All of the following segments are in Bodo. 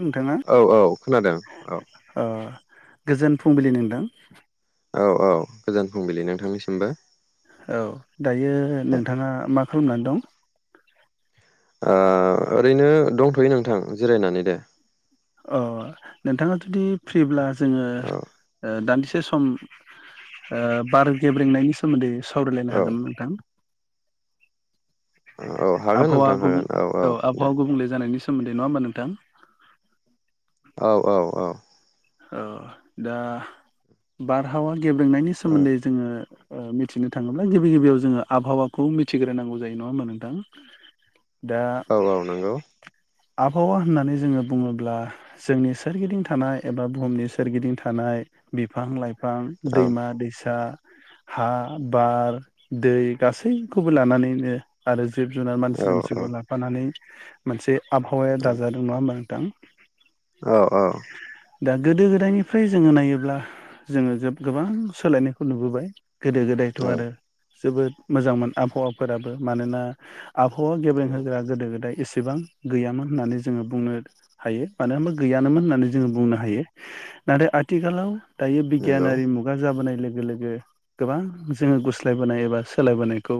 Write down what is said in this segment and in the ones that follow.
नोंथाङा औ औ खोनादों औ ओ गोजोन फुंबिलि नोंथां औ औ गोजोन फुंबिलि नोंथांनिसिमबो। औ दायो ओ नोंथाङा मा खालामनानै दं? ओ ओरैनो दंथ'यो नोंथां जिरायनानै दे। अ नोंथाङा जुदि फ्रिब्ला जोङो औ ओ दान्दिसे [unintelligible] सम ओ बार गेब्रेंनायनि सोमोन्दै सावरायलायनो औ हागोन नोंथां औ हागोन आबहावा नोंथां हागोन गुबुं औ दे आबहावा गुबुंले जानायनिस सोमोन्दै नङा होमबा नोंथां? औ औ औ औ दा बारहावान गेब्रेंनायनि औ सोमोन्दै जोङो ओ मिथिनो थाङोब्ला गिबि गिबियाव जोङो आबहावाखौ मिथिग्रोनांगौ जायो नङा होमबा नोंथां दा औ औ नंगौ आबहावा होननानै जोङो बुङोब्ला जोंनि सोरगिदिं थानाय एबा बुहुमनि सोरगिदिं थानाय बिफां लाइ फां औ दैमा दैसा हा बार दै गासैखौबो लानानैनो आरोज जिब जुनार औ मानसि दुमसिखौ लाफानानै मोनसे आबहावाया दाजादों नङा होमबा दां औ औ दा गोदो गोदायनिफ्राय जोङो नायोब्ला जोङो जोब गोबां सोलायनायखौ नुबोबाय। गोदो गोदायथ' आरो जोबोद मोजांमोन आबहावाफोराबो मानोना आबहावा गेब्रें होग्रा गोदो गोदाय एस इसिबां गैयामोन होननानै जोङो बुंनो हायो मानो होनबा गैयानोमोन होननानै जोङो बुंनो हा हायो नाथाय आथिखालाव दायो नंगौ बिगियानारि मुगा जाबोनाय लो गो लोगो गोबां जोङो गुस्लायबोनाय एबा सोलायबोनायखौ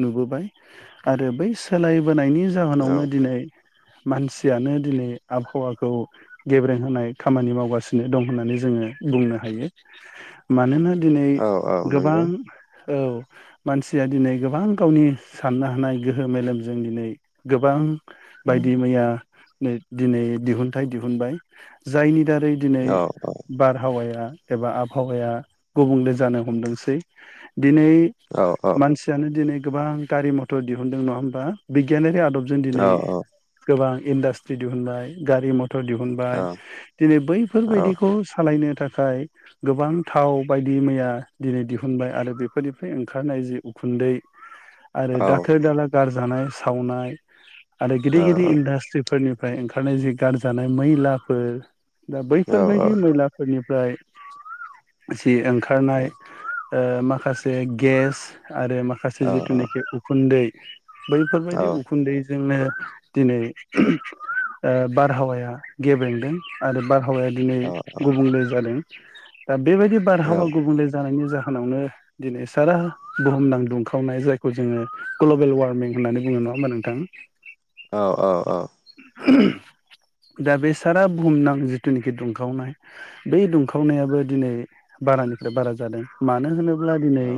नुबोबाय आरो बै सोलाय होनायनि नंगौ औ जाहोनावनो दिनै मानसियानो दिनै आबहावाखौ गेब्रें होनाय खामानि मावगासिनो दं होननानै जोङो बुंनो हायो मानोना दिनै औ औ गोबां नंगौ औ मानसिया दिनै गोबां गावनि साननो हानाय गोहो मेलेमजों दिनै गोबां बायदि मैया नै दिनै दिहुनथाइ दिहुनबाय । जायनि जारै दिनै औ बारहावाया एबा आबहावाया गुबुंले जानो हमदोंसै। दिनै औ औ औ मानसियानो दिनै गोबां गारि म'थर दिहुनदों नङा होमबा बिगियानारि आद दबजों औ दिनै गोबां इन्डासट्रि दिहुननाय गारि मथर थर दिहुनबाय औ । दिनै औ बैफोरबायदिखौ सालायनो थाखाय गोबां थाव बायदि मैया दिनै दिहुनबाय आरो बेफोरनिफ्राय ओंखारनाय जि उखुन्दै आरो औ दाखोर दाला गारजानाय सावनाय आरो गिदिर गिदिर इन्डासट्रि फोरनिफ्राय ओंखारनाय जि गारजानाय मैला फोर दा औ बैफोरबायदि मैलाफोरनि फ्राय जि ओंखारनाय ओ माखासे गेस आरो माखासे जिथुनाखि उखुन्दै [inaudible] बैफोरबायदि उखुन्दै जोंनो दिनै ओ बारहावाया गेबें दों आरो बार बारहावाया दिनै गुबुंले जादों। दा बेबायदि बारहावा गुबुंले जानायनि जाहोनाव [unintelligible] दिनै सारा बुहुमनां दुंखावनाय जायखौ जोङो ग्लबेल वार्मिं होननानै बुङो नङा होमबा नोंथां? औ औ औ। [unintelligible] दा बे सारा बुहुमनां जिथुनोखि दुंखावनाय बै दुंखावनायाबो दिनै बारानिफ्राय बारा जादों। मानो होनो ब्ला दिनै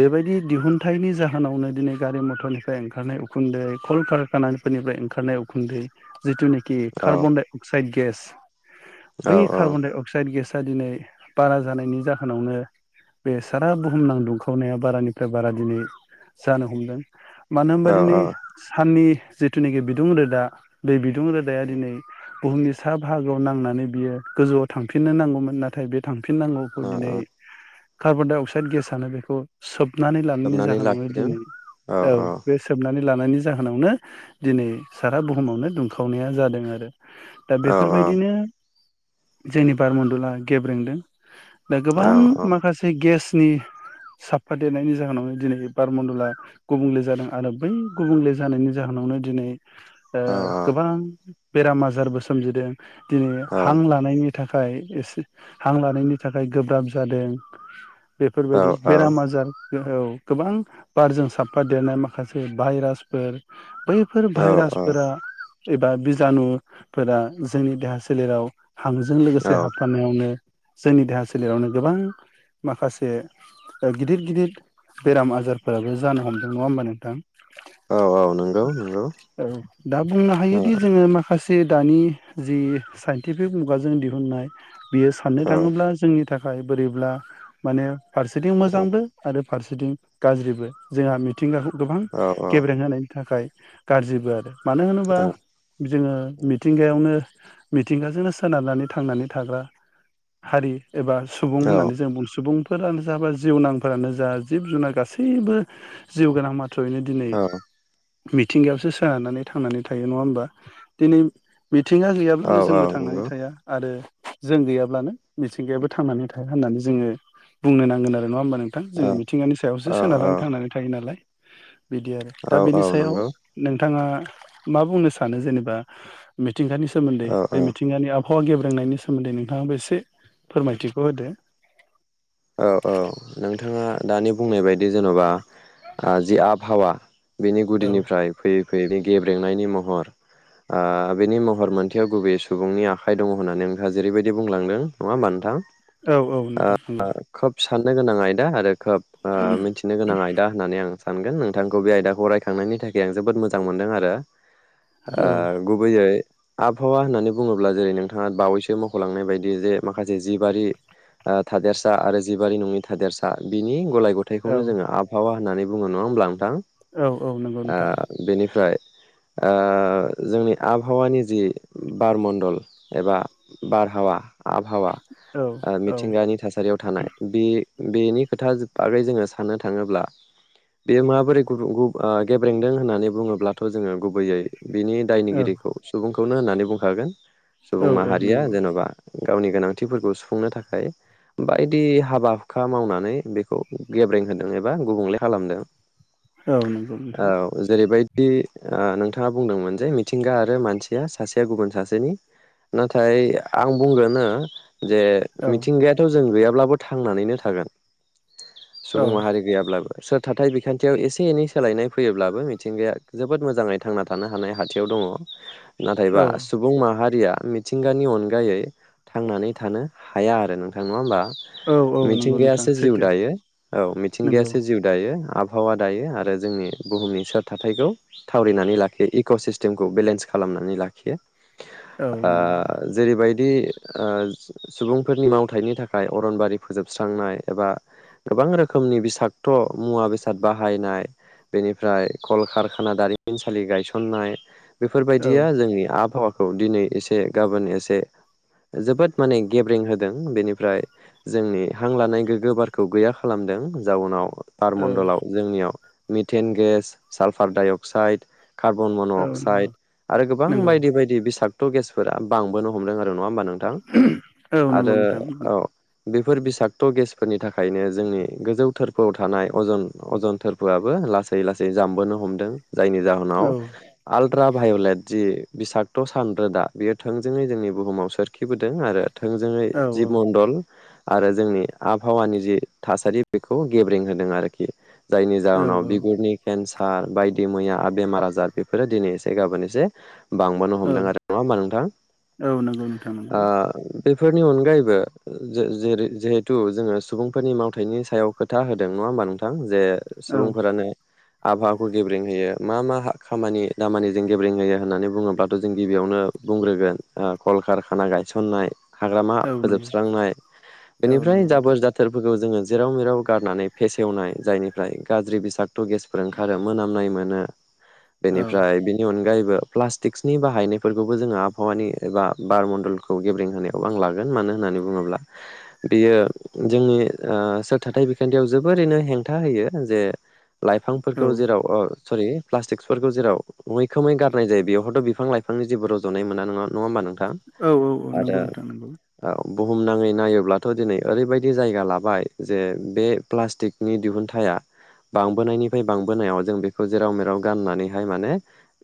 बेबायदि दिहुनथाइनि जाहोनावनो दिनै गारि मथरनिफ्राय ओंखारनाय उखुन्दै कलकारखानाफोरनिफ्राय ओंखारनाय उखुन्दै जिथुनोखि कार्बन डाइ गेस औ बै औ कार्बन डाइ अक्साइड गेस [unintelligible] दिनै बारा जानायनि जाहोनावनो बे सारा बुहुमनां दुंखावनाया बारानिफ्राय बारा दिनै जानो हमदों। मानो औ होनबा दिनै साननि जिथुनाखि बिदुं रोदा बे बि दुं रोदाया औ दिनै बुहुमनि सा बाहागोआव नांनानै बियो गोजौआव थांफिननो नांगौमोन। नाथाय बे थां फिननांगौखौ औ दिनै औ कार्बन डाइ अक्साइड गेसआनो बेखौ सोब नानै लानायनि सोबनानै जाहोनावनो लाखिदों दिनै औ बे सोबनानै लानायनि जाहोनावनो दिनै सारा बुहुमावनो दुंखावनाया जादों आरो दा औ बेफोरबायदिनो जोंनि बारमण्डला गेब्रेंदों। दा औ गोबां माखासे गेस नि साफा देरनायनि जाहोनावनो दिनै बारमण्डला गुबुंले जादों आरो बै गुबुंले जानायनि जाहोनावनो दिनै ओ औ गोबां बेराम आ जारबो सोमजिदों। दिनै औ हां लानायनि थाखाय एसे हां लानायनि थाखाय गोब्राब जादों। औ बेफोरबायदि बेराम आजार औ गोबां बारजों साबफा देरनाय माखासे भाइरासफोर बैफोर भाइरासफोरा एबा बिजानु फोरा जोंनि देहा सोलेराव हांजों औ लोगोसे हाबफानायावनो जोंनि देहा सोलेरावनो गोबां माखासे ओ गिदिर गिदिर बेराम आजारफोराबो जानो हमदों। नङा होमबा नोंथां? औ औ नंगौ नंगौ औ। दा बुंनो औ हायोदि जोङो मा खासे दानि जि साइन्टिफिक मुगाजों दिहुननाय बियो साननो औ थाङोब्ला जोंनि थाखाय बोरैब्ला माने फारसेथिं औ मोजांबो आरो फारसेथिं गाज्रिबो। जोंहा मिथिंगाखौ गोबां औ गेब्रें होनायनि थाखाय गाज्रिबो आरो मानो होनोबा जोङो मिथिंगायावनो मिथिंगाजोंनो सोनारनानै थांनानै थाग्रा हारि एबा सुबुं होननानै जों बुं-सुबुं फोरानो जा बा जिउनांफोरानो जा जिब जुनार गासैबो जिउ गोनां मा थ्र'यैनो दिनै मिथिंगायावसो सोनारनानै थांनानै थायो नङा ओमबा दिनै मिथिंगा गैयाब्लानो औ औ जोंबो थांनानै नंगौ थाया आरो जों गैयाब्लानो मिथिंगायाबो थांनानै थाया होननानै जोङो बुंनो नांगोन आरो नङा ओमबा नो थां औ जोङो मिथिंगानि सायावसो औ सोनारानै थांनानै थायो नालाय। बिदि आरो औ दा औ बिनि सायाव नंगौ नोंथाङा मा बुंनो सानो जेनेबा मिथ थिंगानि सोमोन्दै औ बे मिथिंगानि आब फावा गेब्रेंनायनि सोमोन्दै नोंथाङाबो एसे फोरमायथिखौ होदो औ औ नोंथाङा दानि बुंनाय बाय दि जेनबा ओ जि आबहावा बेनि औ गुदिनिफ्राय फै [unintelligible] गेब्रेंनायनि महर ओ बेनि महर मोनथायाव गुबै सुबुंनि आखाइ दङ होननानै नोंथाङा जेरैबायदि बुंलांदों नङा होमबा नोंथां? औ औ नोंथां ओ नंगौ खोब साननो गोनां आयदा आरो खोब ओ मिथिनो गोनां आयदा होननानै आं सानगोन नोंथांखौ बे आयदाखौ रायखांनायनि थाखाय आं जोबोद मोजां मोनदों आरो। ओ औ गुबैयै आबहावा होननानै बुङोब्ला जेरै नोंथाङा बावैसो मखलांनाय बायदि जे माखासे जिबारि थादेरसा आरो जिबारि नङि थादेरसा बिनि गलाय औ गथथायखौनो जो आबहावा होननानै बुङो नङा होनब्ला नोंथां। औ औ नंगौ नोंथां ओ बेनिफ्राय। ओ जोंनि आबहावानि जि बार मण्डल एबा बारहावा आबहावा औ ओ औ मिथिंगानि थासारियाव थानाय बे बेनि खोथा बागै जोङो साननो थाङोब्ला बेयो माबोरै गुर-गुब गेब्रेंदों होननानै बुङोब्लाथ जोङो गुबैयै बिनि औ दायनिगिरिखौ सुबुं खौनो होननानै बुंखागोन । औ सुबुं औ माहारिया नंगौ जेनबा गावनि गोनांथिफोरखौ सुफुंनो थाखाय बायदि हाबा हुखा मावनानै बेखौ गेब्रें होदों एबा गुबुंले खालामदों। औ नंगौ नोंथां। बिदि ओ नोंथाङा बुंदोंमोन जे मिथिंगा आरो मानसिया सासेया गुबुन सासेनि नाथाय आं बुंगोनो जे औ मिथिंगा जों गैयाब्लाबो थांनानैनो थागोन। औ सुबुं माहारि गैयाब्लाबो। सोर थााथथाय बिखान्थियाव एसे एनै सोलायनाय फैयोब्लाबो मिथिंगाया जोबोद मोजाङै थांना थानो हानाय हाथियाव दङ। नाथायबा औ सुबुं माहारिया मिथिंगानि अनगायै थांनानै थानो हाया आरो नों थां नंङा होमबा। औ औ नंगौ नोंथां मिथिंगायासो जिउ सैथो दायो औ नंगौ मिथिंगायासो जिउ दायो आब आबहावा दायो आरो जोंनि बुहुमनि सोर थााथथायखौ थावरिनानै लाखियो इक' सिस्टेमखौ बेलेन्स खालामनानै लाखियो। औ ओ नंगौ जेरैबाय ओ सुबुंफोरनि मावथि फथाइनि थाखाय अरनबारि फोजोबस्रांनाय एबा गोबां रोखोमनि बिसक्त' मुवा बेसाद बाहायनाय बेनिफ्राय कलकारखाना दारिमिनसालि गायसननाय औ बेफोरबायदिया जोंनि आबहावाखौ खौ दिनै एसे गाबोन एसे जोबोद माने गेब्रें होदों। बेनिफ्राय जोंनि हां लानाय गोग्गो बारखौ गैया खालामदों जाउनाव औ बारमण्डलाव जोंनियाव methane gas, sulphur dioxide carbon मन' औ अक्साइड नंगौ आरो गोबां नंगौ बायदि बायदि बिसा अट' गेसफोरा बांबो हमदों आरो नङा होमबा नोंथां? औ नंगौ आरो नोंथां नंगौ औ बेफोर बिसाक्त' गेसफोरनि थाखायनो जोंनि गोजौ थोरफोआव थानाय अजन अजन थोरफोआबो लासै लासै जामबोनो हमदों। जायनि जाहोनाव औ आलट्रा भायलेट जि बिसागत' सान रोदा बेयो थोंजोङै जोंनि बुहुमाव सोरखिबोदों आरो थों जोंङो औ जिब मणन्दल आरो जोंनि आबहावानि जि थासारि बेखौ गेब्रें होदों आरोखि जायनि औ जाहोनाव बिगुरनि केन्सा र बायदि मैया बेमार आजार बेफोरो दिनै एसे गाबोन एसे बांबानो औ हमदों आरो नंङा होमबा नोंथां औ नंगौ नोंथां नंगौ ओ बेफोरनि अनगायैबो जे जेरै जिहेथु जोङो सुबुंफोरनि मावथायाइनि सायाव खोथा होदों नङा होमबा नोंथां? जे औ सुबुंफोरानो आबहावाखौ गेब्रेंहोयो मा मा खामानि दामानिजों गेब्रेंहोयो होननानै बुङोब्लाथ' जों गिबियावनो बुंग्रोगोन कलकारखाना गायसननाय हाग्रामा औ नंगौ फोजोबस्रांनाय औ बेनिफ्राय नंगौ नोंथां जाबोर जाथोरफोरखौ जोङो जेराव मिराव गारनानै फेसेवनाय जायनिफ्राय गाज्रि बिसागत' गेसफोर ओंखारो मोनामनाय मोनो औ बेनिफ्राय बेनि अनगायै बो प्लास्टिक्सनि बाहायनायफोरखौबो जोङो आबहावानि एबा बार मडलखौ गेब्रें होनाया खौ आं लागोन मानो होननानै बुङोब्ला बेयो जोंनि सोरथाथाइ बिखान्थियाव जोबोरैनो हेंथा होयो जे औ लाइफांफोरखौ जेराव ओ सरि प्लास्टिकसफोरखौ जेराव मैखोमै गारनाय जायो बेवहायथ' बिफां लाफांनि जेबो रज'नाय मोना नङा नङा होनबा नोंथां औ औ औ नंगौ नोंथां नंगौ औ बुहुमनाङै नायोब्लाथ' दिनै ओरैबायदि जायगा लाबाय जे बे प्लास्टिकनि दिहुनथाइआ बांबोनायनिफ्राय बांबोनायाव जों बेखौ जेराव मेराव गारनानैहाय माने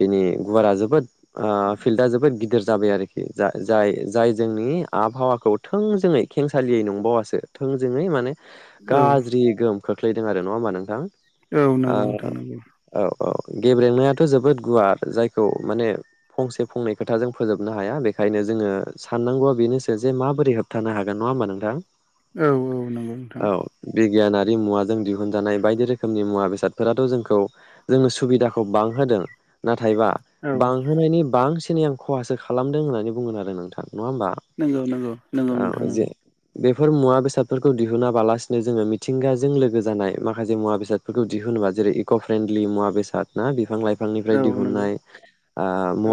बिनि गुवारा जोबोद ओ फिल्दा जोबोद गिदिर जाबाय आरोखि जा जाय जाय जोंनि आबहावाखौ थोंजोङै खेंसालियै नंबावासो थोंजोङै माने औ गाज्रि गोहोम खोख्लैदों आरो नङा होमबा नोंथां? औ नंगौ नोंथां नांगौ औ औ गेब्रेंनायाथ' जोबोद गुवार जायखौ माने फंसे फंनै खोथाजों फोजोबनो हाया बेखायनो जोङो साननांगौआ बेनो जे माबोरै होबथानो हागोन नङा होमबा नोंथां? औ औ नंगौ नोंथां गियानारि मुवाजों दिहुनजानाय बायदि रोखोमनि मुवा बेसादफोराथ' जोंखौ जोंनो सुबिदाखौ बांहोदों नाथाय नाथायबा औ बांहोनायनि बांसिन आं खहासो खालामदों होननानै बुंगोन आरो नोंथां नङा होमबा? नंगौ नंगौ नोंगौ औ नोंथां जे नोंगौ। बेफोर मुवा बेसादफोरखौ दिहुनाबालासिनो जोङो मिथिंगाजों लोगो जानाय माखासे मुवा बेसादफोरखौ दिहुनोबा जेरै इक' फ्रेन्डलि मुवा बेसाद ना बिफां लाइफां बिफांनिफ्राय औ नंगौ दिहुननाय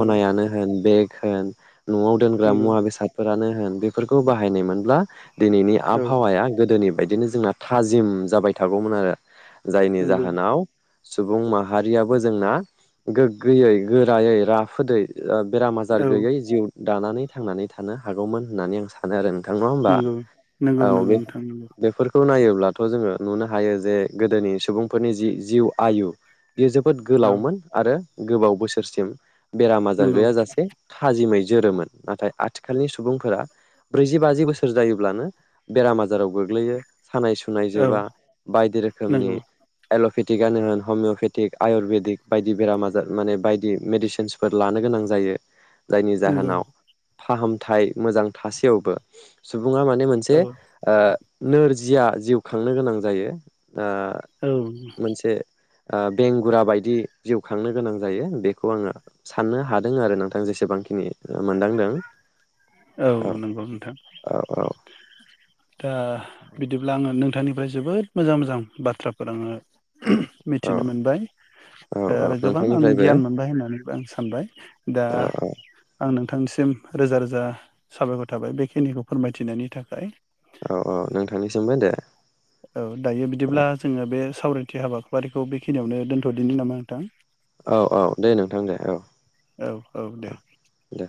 औ होन बे होन न'आव दोनग्रा नंगौ मुवा बेसाद होन बेफोरखौ बाहायनाय मोनब्ला दिनैनि औ आबहावाया गोदोनि बायदिनो जोंना थाजिम जाबाय थागौमोन आरो जायनि नंगौ जाहोनाव सुबुं माहारियाबो जोंना गोग्गोयै गोरायै राफोदै बेराम आजार औ गैयै जिउ दानानै थांनानै थ थानो हागौमोन होननानै आं सानो आरो नों थां नङा होमबा नंगौ नंगौ औ नंगौ बे नोंथां नंगौ बेफोरखौ खौ नायोब्लाथ' जोङो नुनो हायो जे गोदोनि सुबुंफोरनि जि जिउ आयु बियो जोबोद औ गोलावमोन आरो गोबाव बोसोरसिम बेराम आजार नंगौ गैयाा जासे थाजिमै जोरोमोन नाथाय आथिखालनि सुबुंफोरा ब्रैजि बाजि बोसोर जायोब्लानो बेराम आजाराव गोग्लैयो। सानाय सुनाय औ जोबा बायदि रोखोमनि नंगौ एल पेटिकनो होन हमिय'पेटिक आयुरवेदिक बायदि बेराम आजार माने बायदि मेडिसिनसफोर लानो गोनां जायो। जायनि नंगौ जाहोनाव फाहामथाय मोजां थासेयावबो सु सुबुङा माने मोनसे औ ओ नोर जिया जिउ खांनो गोनां जायो । औ ओ मोनसे ओ बेंगुरा बायदि जिउ खांनो गोनां जायो बेखौ आङो साननो हादों आरो नोंथां जेसेबांखिनि मोनदांदों। औ नंगौ नोंथां औ औ दा बिदिब्ला आङो नोंथांनि फ्राय जोबोद मोजां मोजां बाथ्राफोर आङो औ मिथिनो मोनबाय औ औ आरो गोबां आं नोंथांनिफ्रायबो गियान मोनबाय होननानैबो आं सानबाय दा औ औ आं नों नोंथांसिम रोजा रोजा साबायखर थाबाय बेखिनिखौ फोरमायथिनायनि थाखाय। औ औ नों थांनि सिमबो दे औ दायो बिदिब्ला जोङो बे सावरायथि हाबाफारिखौ बेखिनियावनो दोन्थ'दिनो नामा नोंथां औ औ दे नोंथां दे औ औ औ दे दे